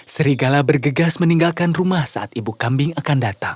serigala bergegas meninggalkan rumah saat ibu kambing akan datang